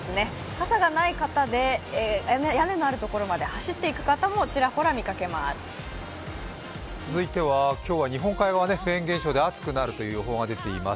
傘がない方で、屋根のあるところまで走って行く方も続いては、今日は日本海側でフェーン現象で暑くなるという予報が出ています。